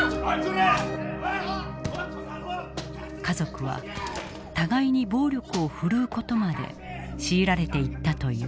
家族は互いに暴力を振るう事まで強いられていったという。